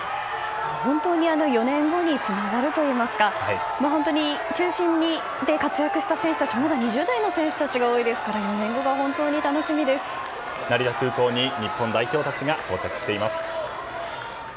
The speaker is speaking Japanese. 本当に４年後につながるといいますか本当に中心で活躍した選手たちまだ２０代の選手たちが多いですから成田空港に日本代表が到着しています。